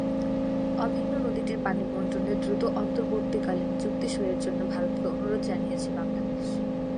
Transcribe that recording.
অভিন্ন নদীটির পানি বণ্টনে দ্রুত অন্তর্বর্তীকালীন চুক্তি সইয়ের জন্য ভারতকে অনুরোধ জানিয়েছে বাংলাদেশ।